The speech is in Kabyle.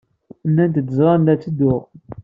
Nnant-d ẓran la d-ttedduɣ.